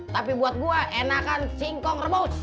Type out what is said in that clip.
tapi buat gue enakan singkong rebus